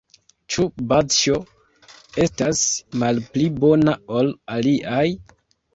Ĉu Bazĉjo estas malpli bona ol aliaj?